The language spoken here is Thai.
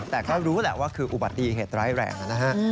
แต่ก็รู้แหละว่าคืออุบัติเหตุร้ายแรงนะฮะ